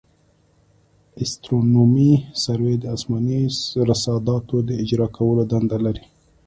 استرونومي سروې د اسماني رصاداتو د اجرا کولو دنده لري